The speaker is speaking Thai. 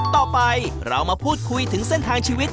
ต่อไปเรามาพูดคุยถึงเส้นทางชีวิต